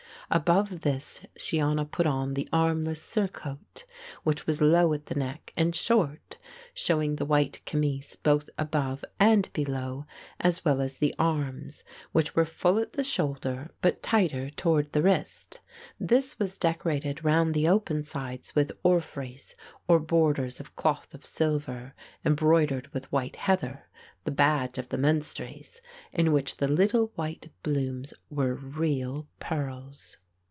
Above this Shiona put on the armless surcoat, which was low at the neck and short, showing the white camise both above and below as well as the arms, which were full at the shoulder but tighter toward the wrist. This was decorated round the open sides with orphreys or borders of cloth of silver embroidered with white heather, the badge of the Menstries, in which the little white blooms were real pearls.